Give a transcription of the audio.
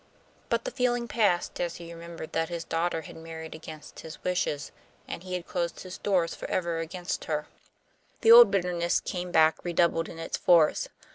But the feeling passed as he remembered that his daughter had married against his wishes, and he had closed his doors for ever against her. The old bitterness came back redoubled in its force.